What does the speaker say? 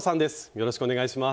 よろしくお願いします。